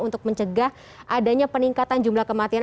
untuk mencegah adanya peningkatan jumlah kematian